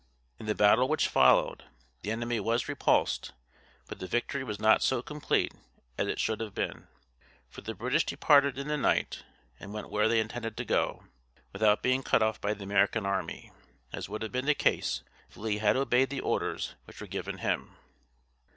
In the battle which followed, the enemy was repulsed; but the victory was not so complete as it should have been, for the British departed in the night and went where they intended to go, without being cut off by the American army, as would have been the case if Lee had obeyed the orders which were given him.